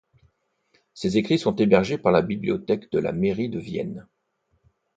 Ses écrits sont hébergés par la bibliothèque de la mairie de Vienne.